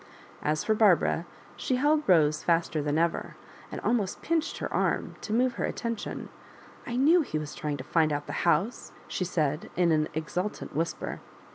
As for Barbara, she held Rose faster than ever, and almoKt pinched her arm to move her atten tiop. " I knew he was trying to find out the house,*^ she said, in an exultant whisper.